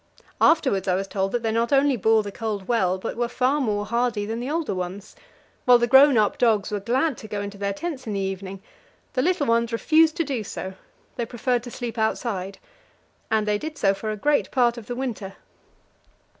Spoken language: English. Afterwards I was told that they not only bore the cold well, but were far more hardy than the older ones. While the grown up dogs were glad to go into their tents in the evening, the little ones refused to do so; they preferred to sleep outside. And they did so for a great part of the winter.